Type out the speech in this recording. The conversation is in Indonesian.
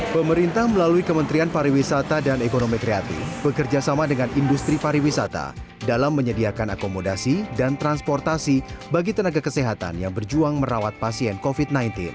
pemerintah melalui kementerian pariwisata dan ekonomi kreatif bekerjasama dengan industri pariwisata dalam menyediakan akomodasi dan transportasi bagi tenaga kesehatan yang berjuang merawat pasien covid sembilan belas